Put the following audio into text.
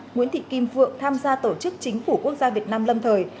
nguyễn thị kim phượng tham gia tổ chức chính phủ quốc gia việt nam lâm thời